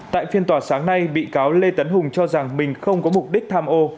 tại phiên tòa sáng nay bị cáo lê tấn hùng cho rằng mình không có mục đích tham ô